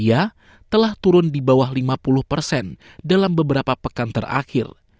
ia telah turun di bawah lima puluh persen dalam beberapa pekan terakhir